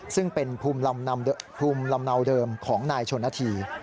ซึ่งเป็นภูมิลำเนาเดิมของนายชนนาธี